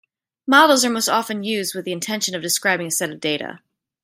Models are most often used with the intention of describing a set of data.